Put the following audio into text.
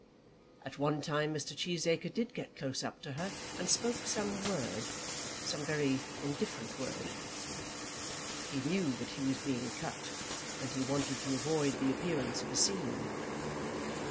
At one time Mr. Cheesacre did get close up to her and spoke some word, some very indifferent word. He knew that he was being cut and he wanted to avoid the appearance of a scene.